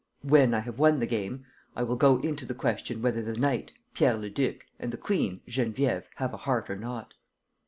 When I have won the game, I will go into the question whether the knight, Pierre Leduc, and the queen, Geneviève, have a heart or not."